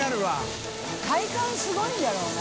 体幹すごいんだろうな。